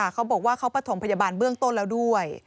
เขาบอกว่าเขาประถมพยาบาลเบื้องต้นแล้วด้วย